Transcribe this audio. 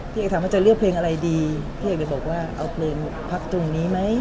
เอกถามว่าจะเลือกเพลงอะไรดีพี่เอกเลยบอกว่าเอาเพลงพักตรงนี้ไหม